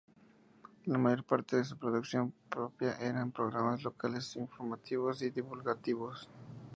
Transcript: La mayor parte de su producción propia eran programas locales informativos y divulgativos.